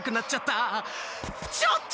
ちょっと！